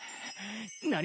何？